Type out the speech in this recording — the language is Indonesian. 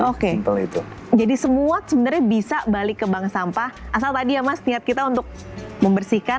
oke kalau itu jadi semua sebenarnya bisa balik ke bank sampah asal tadi ya mas niat kita untuk membersihkan